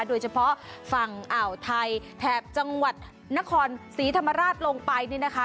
โดยเฉพาะฝั่งอ่าวไทยแถบจังหวัดนครศรีธรรมราชลงไปนี่นะคะ